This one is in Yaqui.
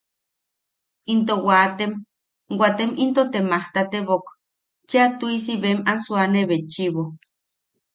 Into waatem, waatem into te majtatebok cheʼa tuʼisi bem a suane betchiʼibo.